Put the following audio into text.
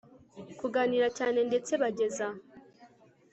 kuganira cyane ndetse bageza